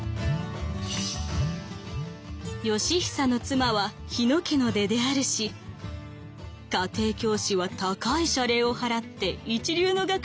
「義尚の妻は日野家の出であるし家庭教師は高い謝礼を払って一流の学者を呼んできた。